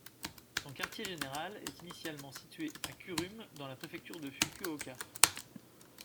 Son quartier-général est initialement situé à Kurume dans la préfecture de Fukuoka.